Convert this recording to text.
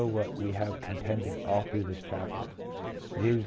what we have contended all through this chapter — viz.